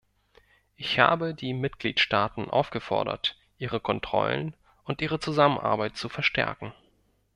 Ich habe die Mitgliedstaaten aufgefordert, ihre Kontrollen und ihre Zusammenarbeit zu verstärken.